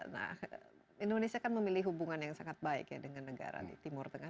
nah indonesia kan memilih hubungan yang sangat baik ya dengan negara di timur tengah